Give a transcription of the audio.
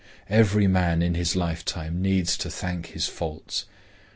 Every man in his lifetime needs to thank his faults.